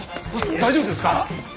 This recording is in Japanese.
大丈夫ですか？